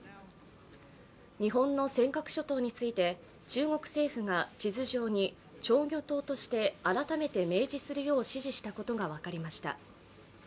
日本の尖閣諸島について中国政府が地図上に釣魚島として改めて明示するよう指示したことが分かりました。